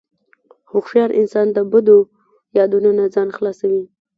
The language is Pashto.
هوښیار انسان د بدو یادونو نه ځان خلاصوي.